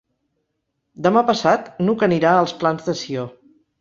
Demà passat n'Hug anirà als Plans de Sió.